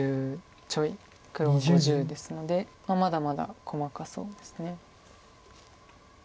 黒が５０ですのでまだまだ細かそうです。